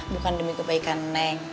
bukan demi kebaikan neng